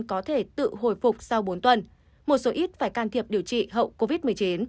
có thể tự hồi phục sau bốn tuần một số ít phải can thiệp điều trị hậu covid một mươi chín